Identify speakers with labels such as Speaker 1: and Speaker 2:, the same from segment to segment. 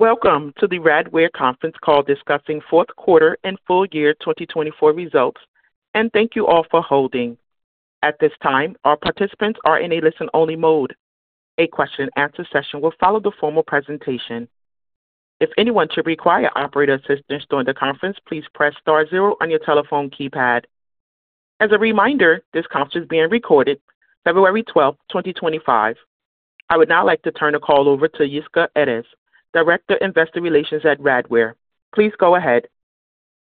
Speaker 1: Welcome to the Radware Conference Call discussing Fourth Quarter and Full Year 2024 Results. And thank you all for holding. At this time, our participants are in a listen-only mode. A question-and-answer session will follow the formal presentation. If anyone should require operator assistance during the conference, please press star zero on your telephone keypad. As a reminder, this conference is being recorded. February 12th, 2025. I would now like to turn the call over to Yisca Erez, Director of Investor Relations at Radware. Please go ahead.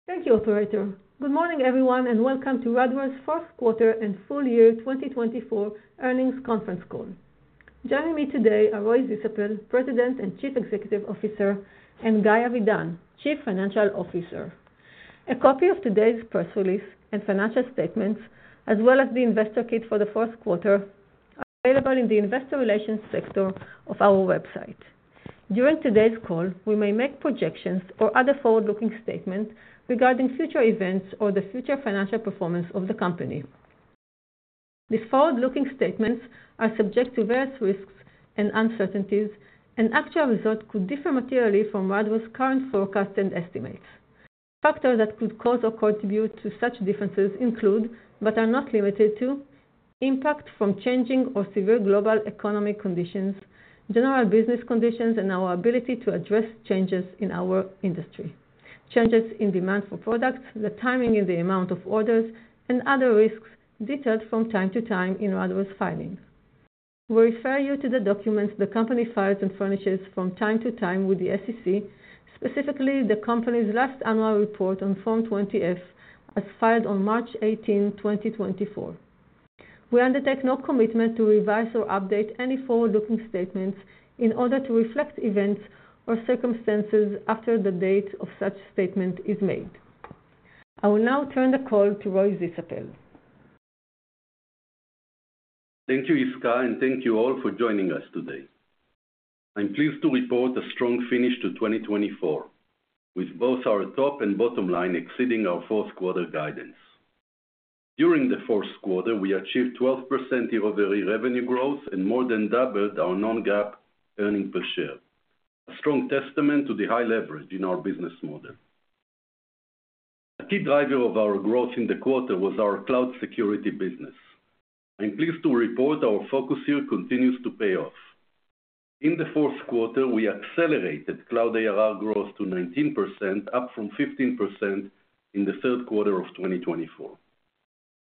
Speaker 2: Thank you, Operator. Good morning, everyone, and welcome to Radware's fourth quarter and full year 2024 earnings conference call. Joining me today are Roy Zisapel, President and Chief Executive Officer, and Guy Avidan, Chief Financial Officer. A copy of today's press release and financial statements, as well as the investor kit for the fourth quarter, are available in the investor relations section of our website. During today's call, we may make projections or other forward-looking statements regarding future events or the future financial performance of the company. These forward-looking statements are subject to various risks and uncertainties, and actual results could differ materially from Radware's current forecasts and estimates. Factors that could cause or contribute to such differences include, but are not limited to, impact from changing or severe global economic conditions, general business conditions, and our ability to address changes in our industry, changes in demand for products, the timing and the amount of orders, and other risks detailed from time to time in Radware's filings. We refer you to the documents the company files and furnishes from time to time with the SEC, specifically the company's last annual report on Form 20-F, as filed on March 18, 2024. We undertake no commitment to revise or update any forward-looking statements in order to reflect events or circumstances after the date of such statement is made. I will now turn the call to Roy Zisapel.
Speaker 3: Thank you, Yisca, and thank you all for joining us today. I'm pleased to report a strong finish to 2024, with both our top and bottom line exceeding our fourth quarter guidance. During the fourth quarter, we achieved 12% year-over-year revenue growth and more than doubled our non-GAAP earnings per share, a strong testament to the high leverage in our business model. A key driver of our growth in the quarter was our cloud security business. I'm pleased to report our focus here continues to pay off. In the fourth quarter, we accelerated cloud ARR growth to 19%, up from 15% in the third quarter of 2024.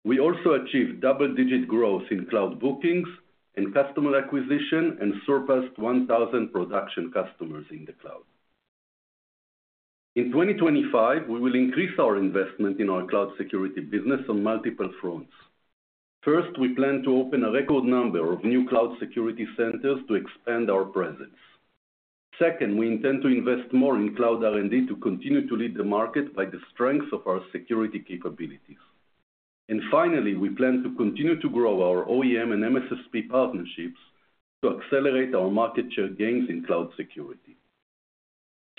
Speaker 3: We also achieved double-digit growth in cloud bookings and customer acquisition and surpassed 1,000 production customers in the cloud. In 2025, we will increase our investment in our cloud security business on multiple fronts. First, we plan to open a record number of new cloud security centers to expand our presence. Second, we intend to invest more in cloud R&D to continue to lead the market by the strength of our security capabilities. And finally, we plan to continue to grow our OEM and MSSP partnerships to accelerate our market share gains in cloud security.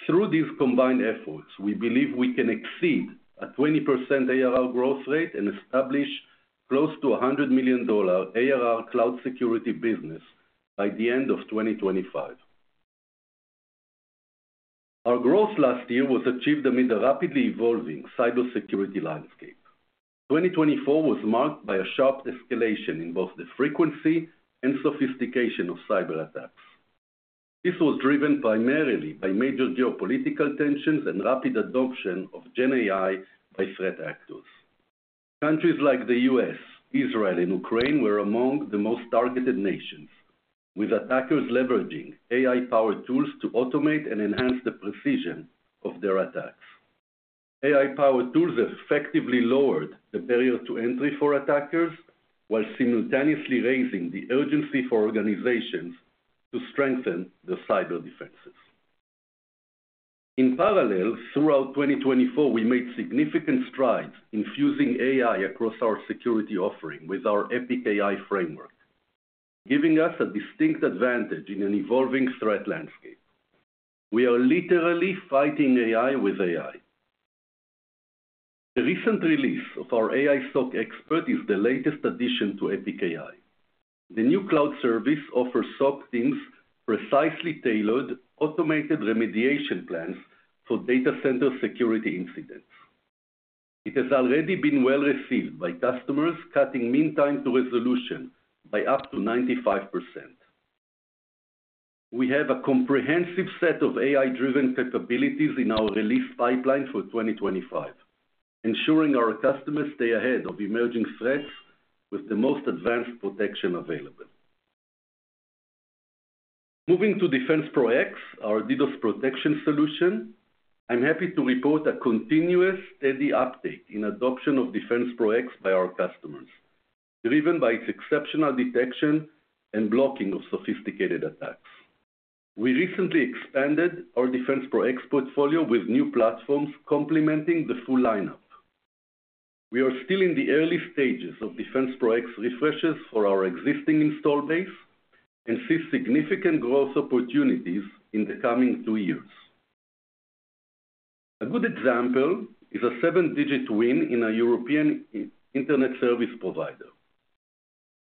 Speaker 3: Through these combined efforts, we believe we can exceed a 20% ARR growth rate and establish close to $100 million ARR cloud security business by the end of 2025. Our growth last year was achieved amid a rapidly evolving cybersecurity landscape. 2024 was marked by a sharp escalation in both the frequency and sophistication of cyberattacks. This was driven primarily by major geopolitical tensions and rapid adoption of GenAI by threat actors. Countries like the U.S., Israel, and Ukraine were among the most targeted nations, with attackers leveraging AI-powered tools to automate and enhance the precision of their attacks. AI-powered tools effectively lowered the barrier to entry for attackers, while simultaneously raising the urgency for organizations to strengthen their cyber defenses. In parallel, throughout 2024, we made significant strides in fusing AI across our security offering with our EPIC-AI framework, giving us a distinct advantage in an evolving threat landscape. We are literally fighting AI with AI. The recent release of our AI SOC Xpert is the latest addition to EPIC-AI. The new cloud service offers SOC teams precisely tailored automated remediation plans for data center security incidents. It has already been well received by customers, cutting mean time to resolution by up to 95%. We have a comprehensive set of AI-driven capabilities in our release pipeline for 2025, ensuring our customers stay ahead of emerging threats with the most advanced protection available. Moving to DefensePro X, our DDoS protection solution, I'm happy to report a continuous steady uptake in adoption of DefensePro X by our customers, driven by its exceptional detection and blocking of sophisticated attacks. We recently expanded our DefensePro X portfolio with new platforms complementing the full lineup. We are still in the early stages of DefensePro X refreshes for our existing install base and see significant growth opportunities in the coming two years. A good example is a seven-digit win in a European internet service provider.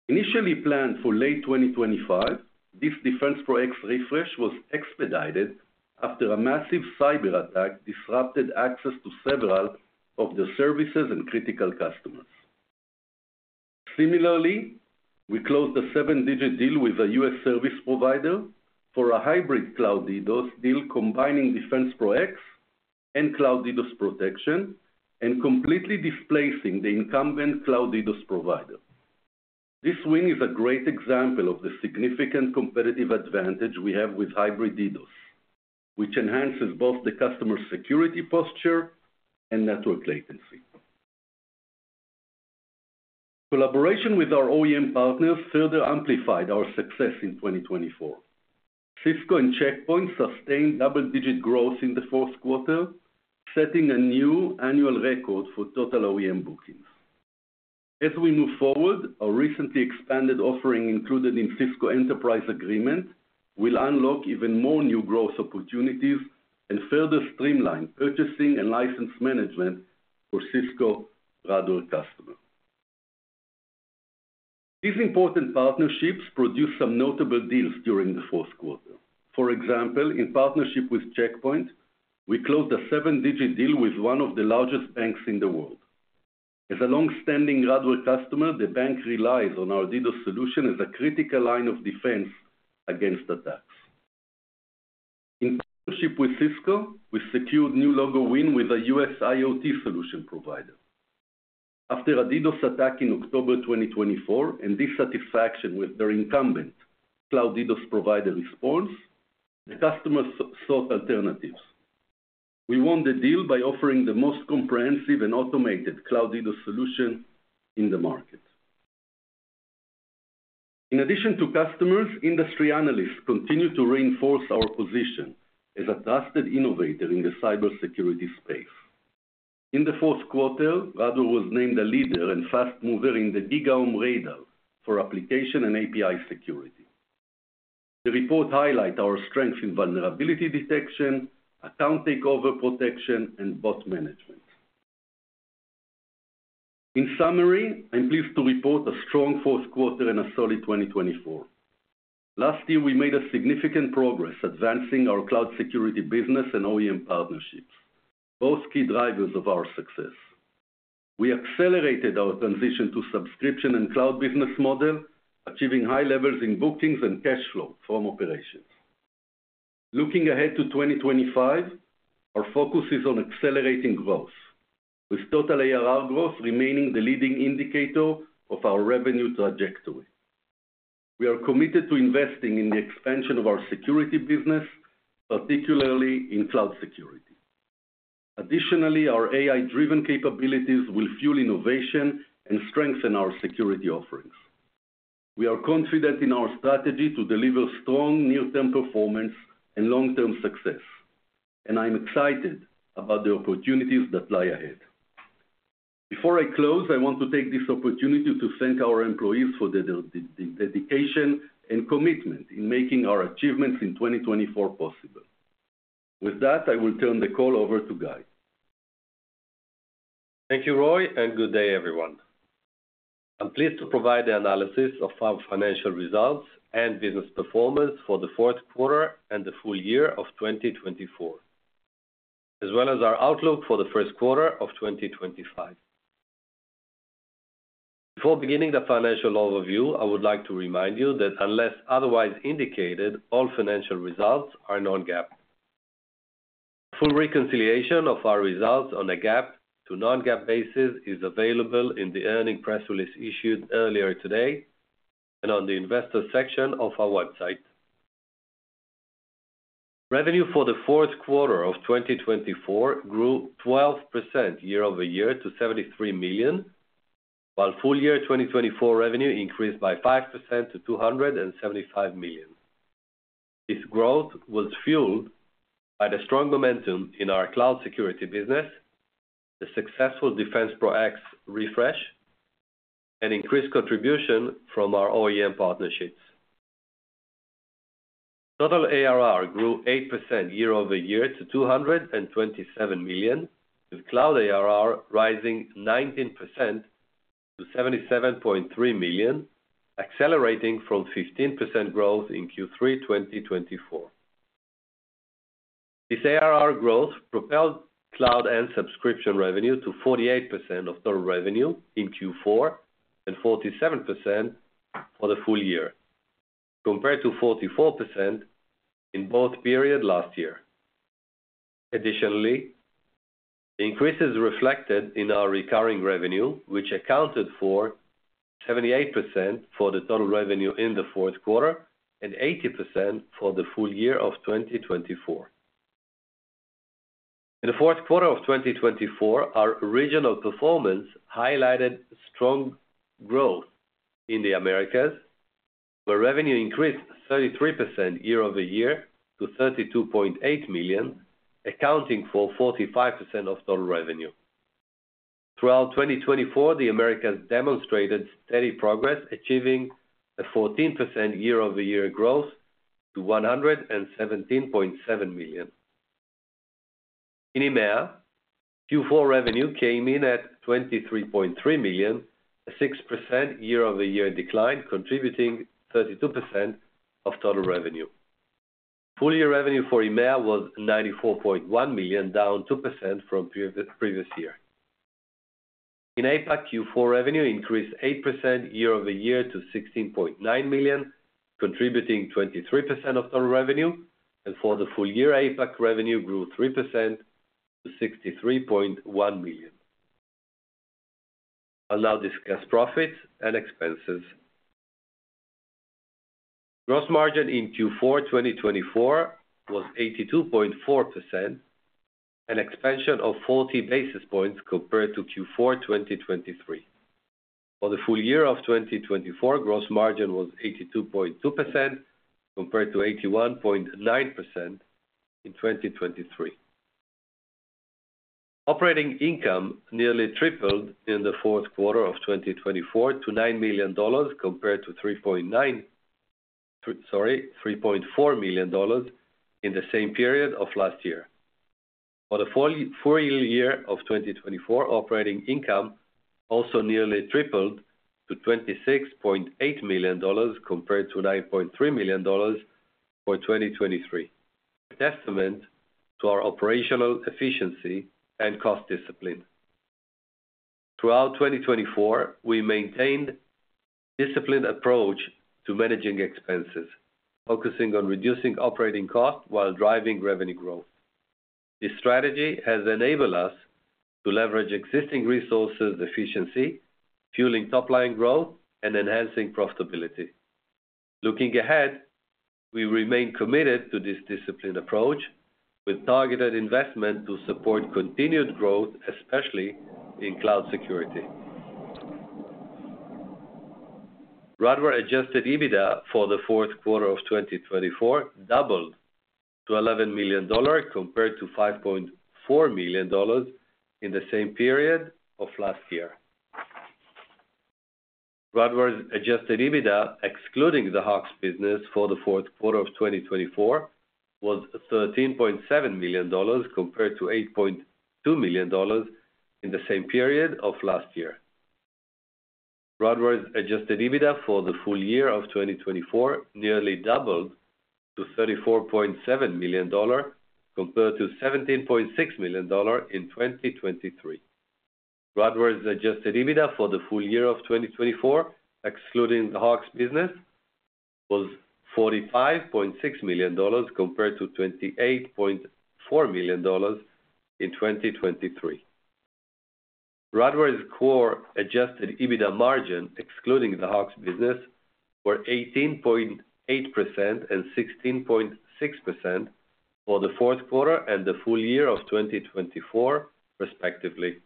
Speaker 3: Initially planned for late 2025, this DefensePro X refresh was expedited after a massive cyber attack disrupted access to several of the services and critical customers. Similarly, we closed a seven-digit deal with a U.S. service provider for a hybrid cloud DDoS deal combining DefensePro X and cloud DDoS protection and completely displacing the incumbent cloud DDoS provider. This win is a great example of the significant competitive advantage we have with hybrid DDoS, which enhances both the customer security posture and network latency. Collaboration with our OEM partners further amplified our success in 2024. Cisco and Check Point sustained double-digit growth in the fourth quarter, setting a new annual record for total OEM bookings. As we move forward, our recently expanded offering included in Cisco Enterprise Agreement will unlock even more new growth opportunities and further streamline purchasing and license management for Cisco Radware customers. These important partnerships produced some notable deals during the fourth quarter. For example, in partnership with Check Point, we closed a seven-digit deal with one of the largest banks in the world. As a long-standing Radware customer, the bank relies on our DDoS solution as a critical line of defense against attacks. In partnership with Cisco, we secured a new logo win with a U.S. IoT solution provider. After a DDoS attack in October 2024 and dissatisfaction with their incumbent cloud DDoS provider response, the customers sought alternatives. We won the deal by offering the most comprehensive and automated cloud DDoS solution in the market. In addition to customers, industry analysts continue to reinforce our position as a trusted innovator in the cybersecurity space. In the fourth quarter, Radware was named a leader and fast mover in the GigaOm Radar for application and API security. The report highlights our strength in vulnerability detection, account takeover protection, and bot management. In summary, I'm pleased to report a strong fourth quarter and a solid 2024. Last year, we made significant progress advancing our cloud security business and OEM partnerships, both key drivers of our success. We accelerated our transition to a subscription and cloud business model, achieving high levels in bookings and cash flow from operations. Looking ahead to 2025, our focus is on accelerating growth, with total ARR growth remaining the leading indicator of our revenue trajectory. We are committed to investing in the expansion of our security business, particularly in cloud security. Additionally, our AI-driven capabilities will fuel innovation and strengthen our security offerings. We are confident in our strategy to deliver strong near-term performance and long-term success, and I'm excited about the opportunities that lie ahead. Before I close, I want to take this opportunity to thank our employees for their dedication and commitment in making our achievements in 2024 possible. With that, I will turn the call over to Guy.
Speaker 4: Thank you, Roy, and good day, everyone. I'm pleased to provide the analysis of our financial results and business performance for the fourth quarter and the full year of 2024, as well as our outlook for the first quarter of 2025. Before beginning the financial overview, I would like to remind you that, unless otherwise indicated, all financial results are non-GAAP. Full reconciliation of our results on a GAAP to non-GAAP basis is available in the earnings press release issued earlier today and on the investor section of our website. Revenue for the fourth quarter of 2024 grew 12% year-over-year to $73 million, while full year 2024 revenue increased by 5% to $275 million. This growth was fueled by the strong momentum in our cloud security business, the successful DefensePro X refresh, and increased contribution from our OEM partnerships. Total ARR grew 8% year-over-year to $227 million, with cloud ARR rising 19% to $77.3 million, accelerating from 15% growth in Q3 2024. This ARR growth propelled cloud and subscription revenue to 48% of total revenue in Q4 and 47% for the full year, compared to 44% in both periods last year. Additionally, the increases reflected in our recurring revenue, which accounted for 78% for the total revenue in the fourth quarter and 80% for the full year of 2024. In the fourth quarter of 2024, our regional performance highlighted strong growth in the Americas, where revenue increased 33% year-over-year to $32.8 million, accounting for 45% of total revenue. Throughout 2024, the Americas demonstrated steady progress, achieving a 14% year-over-year growth to $117.7 million. In EMEA, Q4 revenue came in at $23.3 million, a 6% year-over-year decline, contributing 32% of total revenue. Full year revenue for EMEA was $94.1 million, down 2% from previous year. In APAC, Q4 revenue increased 8% year-over-year to $16.9 million, contributing 23% of total revenue, and for the full year, APAC revenue grew 3% to $63.1 million. I'll now discuss profits and expenses. Gross margin in Q4 2024 was 82.4%, an expansion of 40 basis points compared to Q4 2023. For the full year of 2024, gross margin was 82.2%, compared to 81.9% in 2023. Operating income nearly tripled in the fourth quarter of 2024 to $9 million, compared to $3.4 million in the same period of last year. For the full year of 2024, operating income also nearly tripled to $26.8 million, compared to $9.3 million for 2023, a testament to our operational efficiency and cost discipline. Throughout 2024, we maintained a disciplined approach to managing expenses, focusing on reducing operating costs while driving revenue growth. This strategy has enabled us to leverage existing resources efficiently, fueling top-line growth and enhancing profitability. Looking ahead, we remain committed to this disciplined approach, with targeted investment to support continued growth, especially in cloud security. Radware adjusted EBITDA for the fourth quarter of 2024 doubled to $11 million, compared to $5.4 million in the same period of last year. Radware adjusted EBITDA, excluding the Hawks' Business, for the fourth quarter of 2024 was $13.7 million, compared to $8.2 million in the same period of last year. Radware adjusted EBITDA for the full year of 2024 nearly doubled to $34.7 million, compared to $17.6 million in 2023. Radware adjusted EBITDA for the full year of 2024, excluding the Hawks' Business, was $45.6 million, compared to $28.4 million in 2023. Radware's core adjusted EBITDA margin, excluding the Hawks' Business, were 18.8% and 16.6% for the fourth quarter and the full year of 2024, respectively.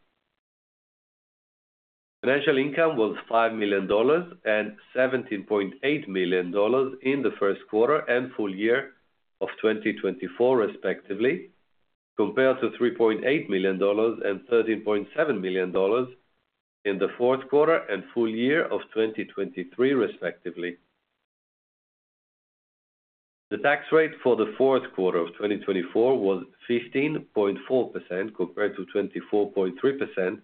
Speaker 4: Financial income was $5 million and $17.8 million in the fourth quarter and full year of 2024, respectively, compared to $3.8 million and $13.7 million in the fourth quarter and full year of 2023, respectively. The tax rate for the fourth quarter of 2024 was 15.4%, compared to 24.3% in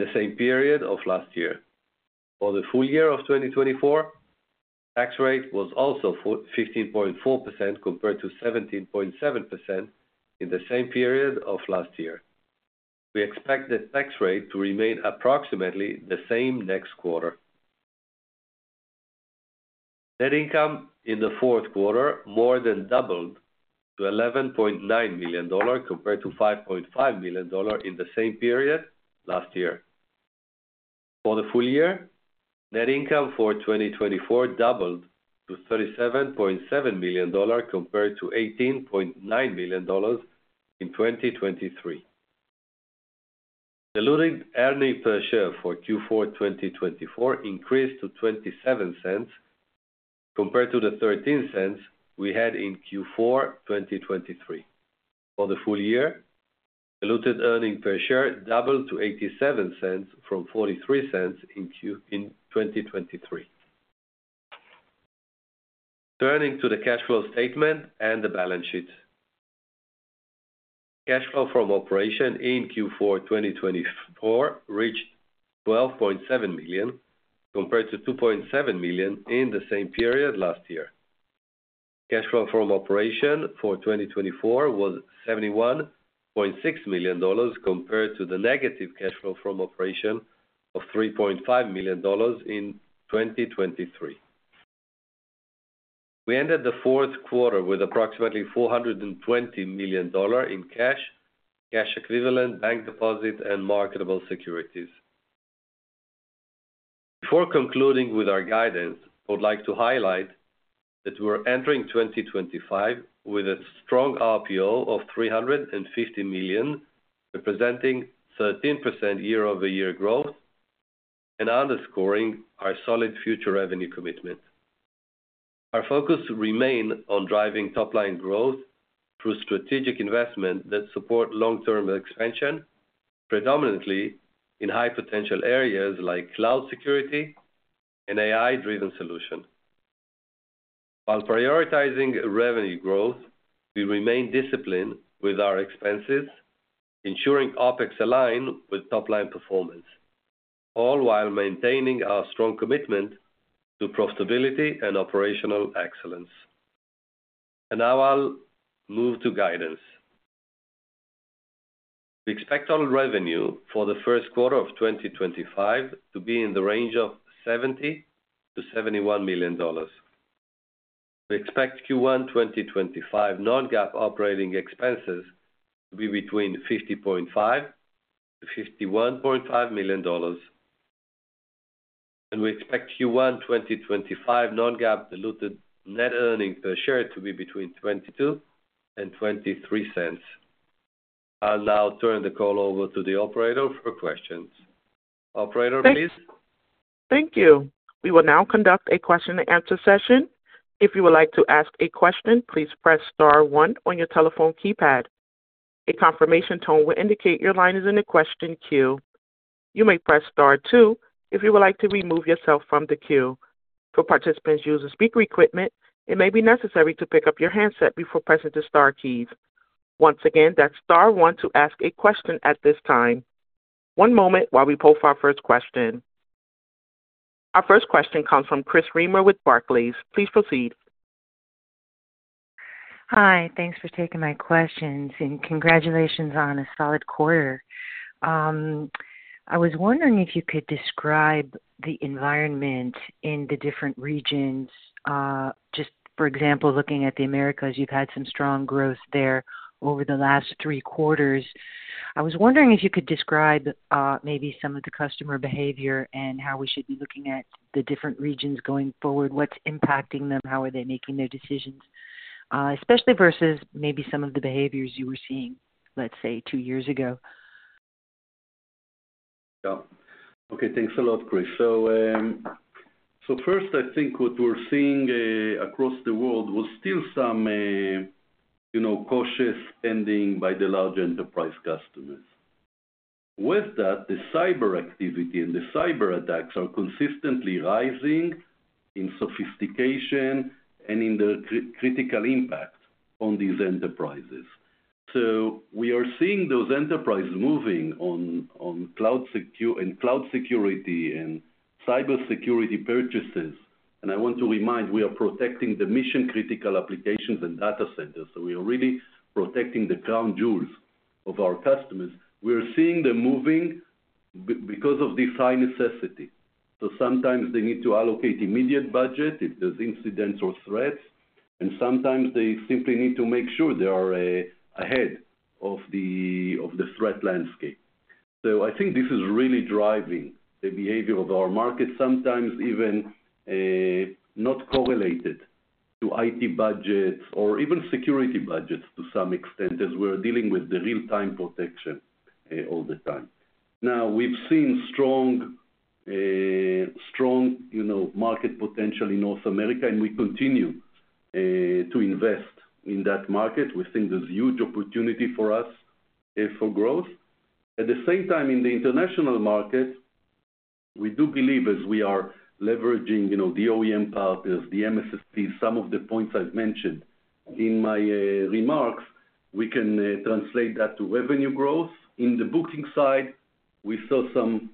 Speaker 4: the same period of last year. For the full year of 2024, the tax rate was also 15.4%, compared to 17.7% in the same period of last year. We expect the tax rate to remain approximately the same next quarter. Net income in the fourth quarter more than doubled to $11.9 million, compared to $5.5 million in the same period last year. For the full year, net income for 2024 doubled to $37.7 million, compared to $18.9 million in 2023. Diluted earnings per share for Q4 2024 increased to $0.27, compared to the $0.13 we had in Q4 2023. For the full year, diluted earnings per share doubled to $0.87 from $0.43 in 2023. Turning to the cash flow statement and the balance sheets. Cash flow from operations in Q4 2024 reached $12.7 million, compared to $2.7 million in the same period last year. Cash flow from operations for 2024 was $71.6 million, compared to the negative cash flow from operations of $3.5 million in 2023. We ended the fourth quarter with approximately $420 million in cash and cash equivalents, bank deposits, and marketable securities. Before concluding with our guidance, I would like to highlight that we're entering 2025 with a strong RPO of $350 million, representing 13% year-over-year growth and underscoring our solid future revenue commitment. Our focus remains on driving top-line growth through strategic investment that supports long-term expansion, predominantly in high-potential areas like cloud security and AI-driven solutions. While prioritizing revenue growth, we remain disciplined with our expenses, ensuring OpEx align with top-line performance, all while maintaining our strong commitment to profitability and operational excellence. Now I'll move to guidance. We expect total revenue for the first quarter of 2025 to be in the range of $70 million-$71 million. We expect Q1 2025 non-GAAP operating expenses to be between $50.5 million-$51.5 million, and we expect Q1 2025 non-GAAP diluted net earnings per share to be between $0.22 and $0.23. I'll now turn the call over to the operator for questions. Operator, please.
Speaker 1: Thank you. We will now conduct a question-and-answer session. If you would like to ask a question, please press star one on your telephone keypad. A confirmation tone will indicate your line is in a question queue. You may press star two if you would like to remove yourself from the queue. For participants using speaker equipment, it may be necessary to pick up your handset before pressing the star keys. Once again, that's star one to ask a question at this time. One moment while we pull for our first question. Our first question comes from Chris Reimer with Barclays. Please proceed.
Speaker 5: Hi. Thanks for taking my questions, and congratulations on a solid quarter. I was wondering if you could describe the environment in the different regions. Just, for example, looking at the Americas, you've had some strong growth there over the last three quarters. I was wondering if you could describe maybe some of the customer behavior and how we should be looking at the different regions going forward, what's impacting them, how are they making their decisions, especially versus maybe some of the behaviors you were seeing, let's say, two years ago?
Speaker 3: Yeah. Okay. Thanks a lot, Chris. So first, I think what we're seeing across the world was still some cautious spending by the large enterprise customers. With that, the cyber activity and the cyber attacks are consistently rising in sophistication and in their critical impact on these enterprises. So we are seeing those enterprises moving on cloud security and cybersecurity purchases, and I want to remind, we are protecting the mission-critical applications and data centers. So we are really protecting the crown jewels of our customers. We are seeing them moving because of this high necessity. So sometimes they need to allocate immediate budget if there's incidents or threats, and sometimes they simply need to make sure they are ahead of the threat landscape. So I think this is really driving the behavior of our market, sometimes even not correlated to IT budgets or even security budgets to some extent, as we're dealing with the real-time protection all the time. Now, we've seen strong market potential in North America, and we continue to invest in that market. We think there's a huge opportunity for us for growth. At the same time, in the international market, we do believe, as we are leveraging the OEM partners, the MSSP, some of the points I've mentioned in my remarks, we can translate that to revenue growth. In the booking side, we saw some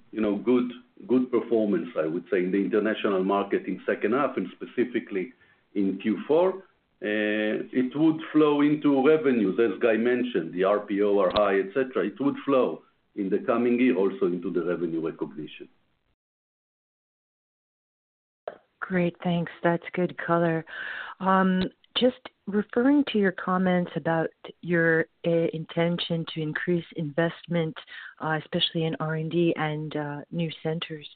Speaker 3: good performance, I would say, in the international market in the second half, and specifically in Q4. It would flow into revenue, as Guy mentioned, the RPO are high, etc. It would flow in the coming year also into the revenue recognition.
Speaker 5: Great. Thanks. That's good color. Just referring to your comments about your intention to increase investment, especially in R&D and new centers,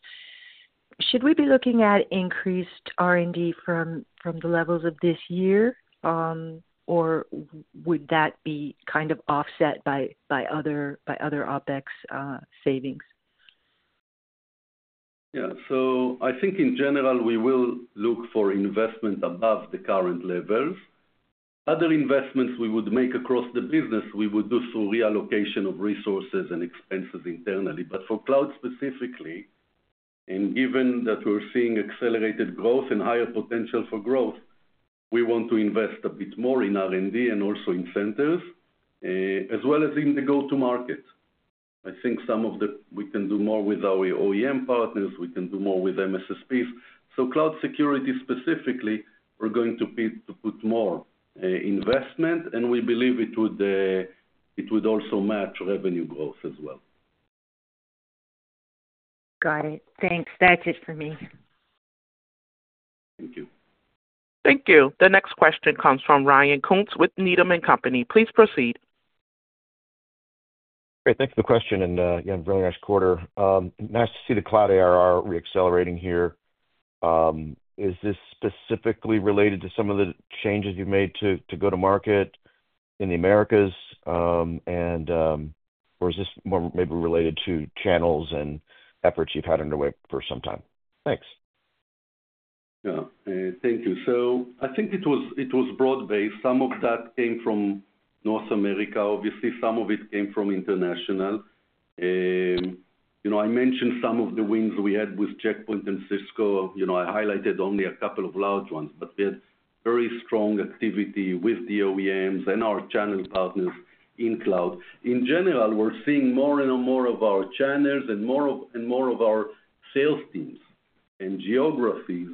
Speaker 5: should we be looking at increased R&D from the levels of this year, or would that be kind of offset by other OpEx savings?
Speaker 3: Yeah. I think, in general, we will look for investment above the current levels. Other investments we would make across the business, we would do through reallocation of resources and expenses internally. But for cloud specifically, and given that we're seeing accelerated growth and higher potential for growth, we want to invest a bit more in R&D and also in centers, as well as in the go-to-market. I think some of the we can do more with our OEM partners. We can do more with MSSPs. So cloud security specifically, we're going to put more investment, and we believe it would also match revenue growth as well.
Speaker 5: Got it. Thanks. That's it for me.
Speaker 3: Thank you.
Speaker 1: Thank you. The next question comes from Ryan Koontz with Needham & Company. Please proceed.
Speaker 6: Great. Thanks for the question. And yeah, very nice quarter. Nice to see the cloud ARR reaccelerating here. Is this specifically related to some of the changes you've made to go-to-market in the Americas, or is this more maybe related to channels and efforts you've had underway for some time? Thanks.
Speaker 3: Yeah. Thank you. So I think it was broad-based. Some of that came from North America. Obviously, some of it came from international. I mentioned some of the wins we had with Check Point and Cisco. I highlighted only a couple of large ones, but we had very strong activity with the OEMs and our channel partners in cloud. In general, we're seeing more and more of our channels and more of our sales teams and geographies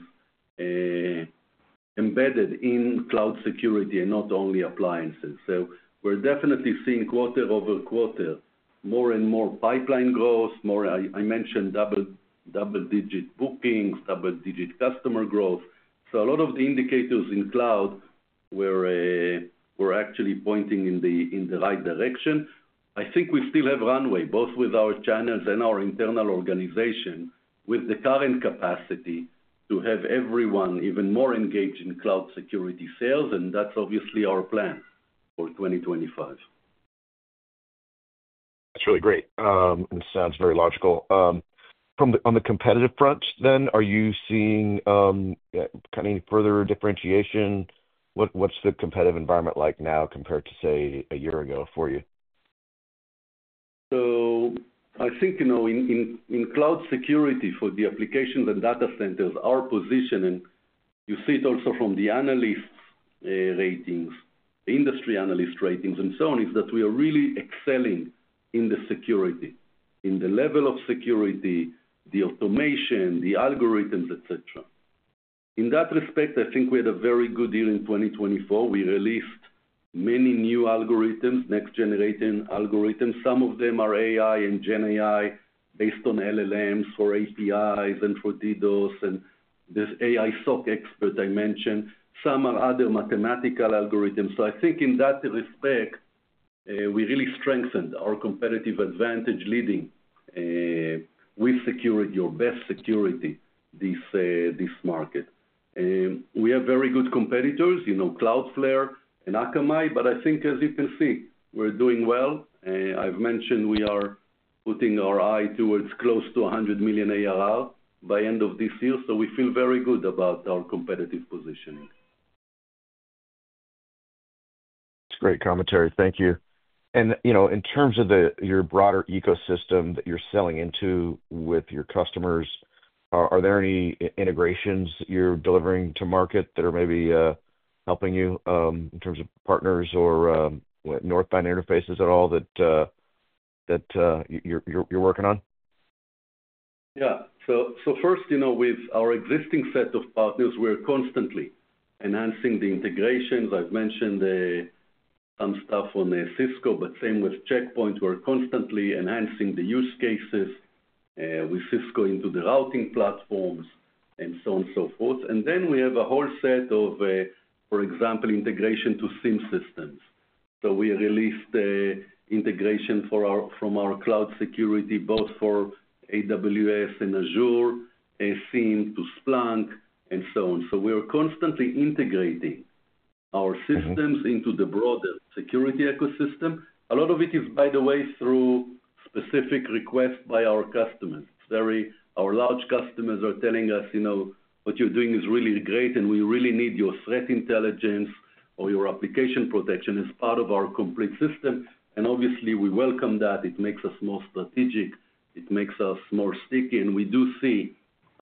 Speaker 3: embedded in cloud security and not only appliances. So we're definitely seeing quarter over quarter more and more pipeline growth. I mentioned double-digit bookings, double-digit customer growth. So a lot of the indicators in cloud were actually pointing in the right direction. I think we still have runway, both with our channels and our internal organization, with the current capacity to have everyone even more engaged in cloud security sales, and that's obviously our plan for 2025.
Speaker 6: That's really great. It sounds very logical. On the competitive front, then, are you seeing kind of any further differentiation? What's the competitive environment like now compared to, say, a year ago for you?
Speaker 3: I think in cloud security for the applications and data centers, our position, and you see it also from the analyst ratings, industry analyst ratings, and so on, is that we are really excelling in the security, in the level of security, the automation, the algorithms, etc. In that respect, I think we had a very good year in 2024. We released many new algorithms, next-generation algorithms. Some of them are AI and GenAI based on LLMs for APIs and for DDoS. And there's AI SOC Xpert, I mentioned. Some are other mathematical algorithms. So I think in that respect, we really strengthened our competitive advantage leading with security, or best security, this market. We have very good competitors, Cloudflare and Akamai, but I think, as you can see, we're doing well. I've mentioned we are putting our eye towards close to $100 million ARR by end of this year. So we feel very good about our competitive positioning.
Speaker 6: That's great commentary. Thank you. And in terms of your broader ecosystem that you're selling into with your customers, are there any integrations you're delivering to market that are maybe helping you in terms of partners or northbound interfaces at all that you're working on?
Speaker 3: Yeah, so first, with our existing set of partners, we're constantly enhancing the integrations. I've mentioned some stuff on Cisco, but same with Check Point. We're constantly enhancing the use cases with Cisco into the routing platforms and so on and so forth, and then we have a whole set of, for example, integration to SIEM systems, so we released integration from our cloud security, both for AWS and Azure, SIEM to Splunk, and so on, so we are constantly integrating our systems into the broader security ecosystem. A lot of it is, by the way, through specific requests by our customers. Our large customers are telling us, "What you're doing is really great, and we really need your threat intelligence or your application protection as part of our complete system," and obviously, we welcome that. It makes us more strategic. It makes us more sticky. And we do see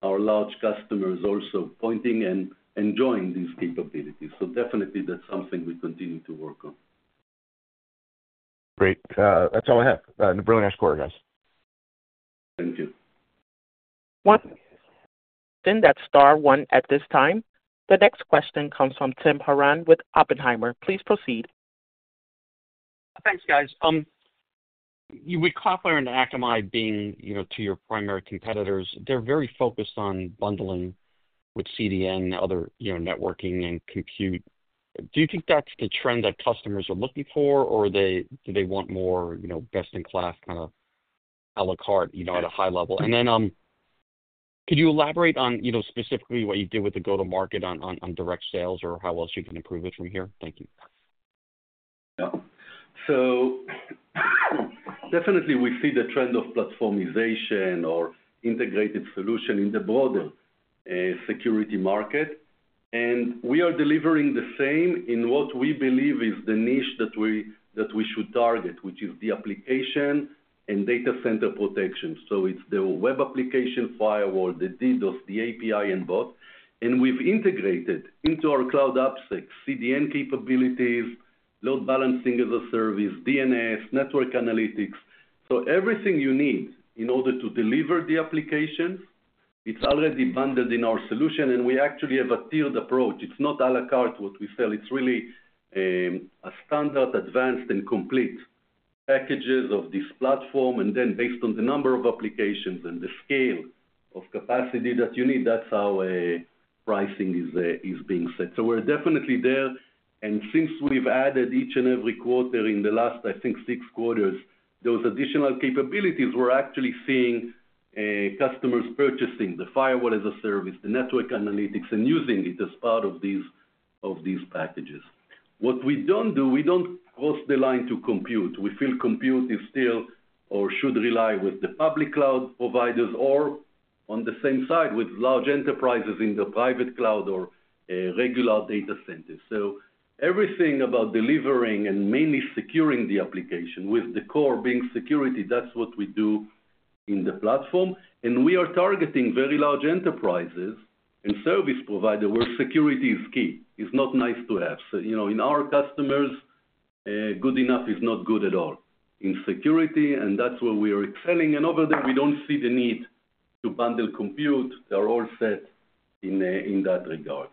Speaker 3: our large customers also pointing and enjoying these capabilities. So definitely, that's something we continue to work on.
Speaker 6: Great. That's all I have. Really nice quarter, guys.
Speaker 3: Thank you.
Speaker 1: One moment. At this time, the next question comes from Tim Horan with Oppenheimer. Please proceed.
Speaker 7: Thanks, guys. With Cloudflare and Akamai being your primary competitors, they're very focused on bundling with CDN, other networking, and compute. Do you think that's the trend that customers are looking for, or do they want more best-in-class kind of à la carte at a high level? And then could you elaborate on specifically what you did with the go-to-market on direct sales or how else you can improve it from here? Thank you.
Speaker 3: Yeah. So definitely, we see the trend of platformization or integrated solution in the broader security market. And we are delivering the same in what we believe is the niche that we should target, which is the application and data center protection. So it's the web application firewall, the DDoS, the API, and both. And we've integrated into our cloud apps, CDN capabilities, load balancing as a service, DNS, network analytics. So everything you need in order to deliver the applications, it's already bundled in our solution, and we actually have a tiered approach. It's not à la carte what we sell. It's really a standard, advanced, and complete packages of this platform. And then based on the number of applications and the scale of capacity that you need, that's how pricing is being set. So we're definitely there. Since we've added each and every quarter in the last, I think, six quarters, those additional capabilities, we're actually seeing customers purchasing the firewall as a service, the network analytics, and using it as part of these packages. What we don't do, we don't cross the line to compute. We feel compute is still or should rely with the public cloud providers or on the same side with large enterprises in the private cloud or regular data centers. So everything about delivering and mainly securing the application with the core being security, that's what we do in the platform. And we are targeting very large enterprises and service providers where security is key. It's not nice to have. So in our customers, good enough is not good at all in security, and that's where we are excelling. And over there, we don't see the need to bundle compute. They're all set in that regard.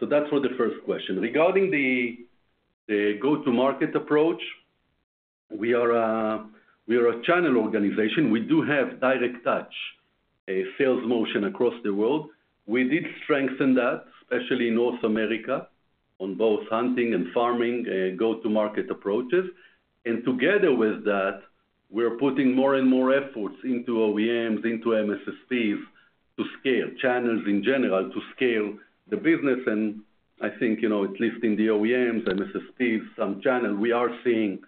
Speaker 3: So that's for the first question. Regarding the go-to-market approach, we are a channel organization. We do have direct touch sales motion across the world. We did strengthen that, especially in North America on both hunting and farming go-to-market approaches. And together with that, we're putting more and more efforts into OEMs, into MSSPs to scale, channels in general to scale the business. And I think, at least in the OEMs, MSSPs, some channel, we are seeing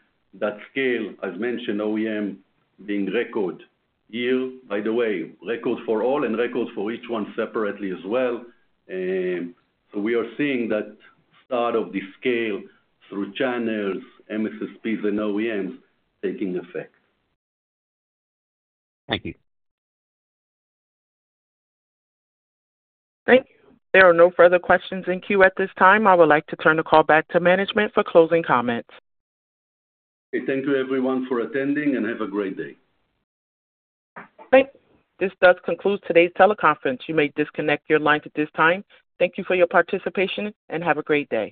Speaker 3: that scale, as mentioned, OEM being record year, by the way, record for all and record for each one separately as well. So we are seeing that start of the scale through channels, MSSPs, and OEMs taking effect.
Speaker 7: Thank you.
Speaker 1: Thank you. There are no further questions in queue at this time. I would like to turn the call back to management for closing comments.
Speaker 3: Okay. Thank you, everyone, for attending, and have a great day.
Speaker 1: Thanks. This does conclude today's teleconference. You may disconnect your lines at this time. Thank you for your participation, and have a great day.